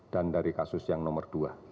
dan dari kasus yang nomor dua